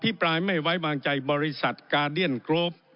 ปลายไม่ไว้วางใจบริษัทกาเดียนกรฟ